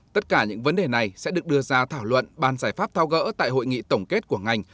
tất cả những vấn đề này sẽ được đưa ra thảo luận bàn giải pháp thao gỡ tại hội nghị tổng kết của ngành